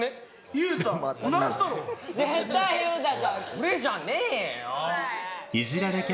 俺じゃねえよ！